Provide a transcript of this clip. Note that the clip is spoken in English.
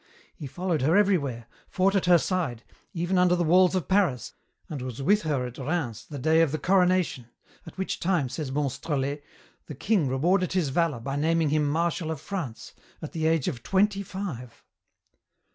He followed her everywhere, fought at her side, even under the walls of Paris, and was with her at Rheims the day of the coronation, at which time, says Monstrelet, the king rewarded his valour by naming him Marshal of France, at the age of twenty five."